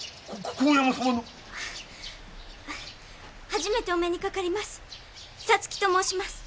初めてお目にかかります。